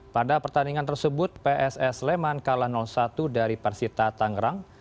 pada pertandingan tersebut pss leman kalah satu dari persita tangerang